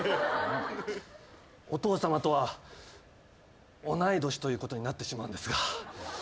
お父さまとは同い年ということになってしまうんですが。